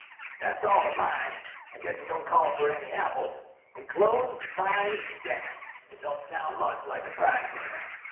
That's all of mine. I guess it don't call for any apples. Enclosed find stamps. It don't sound much like a prize winner."